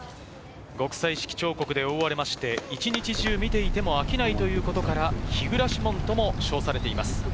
極彩色彫刻で覆われて、一日中見ていても飽きないということから日暮門とも称されています。